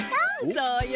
そうよ